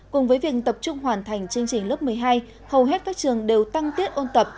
cùng với việc tập trung hoàn thành chương trình lớp một mươi hai hầu hết các trường đều tăng tiết ôn tập